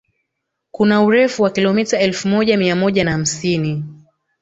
Kuna urefu wa kilomita elfu moja mia moja na hamsini